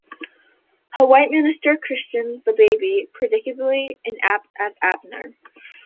A white minister christens the baby, predictably, as Abner.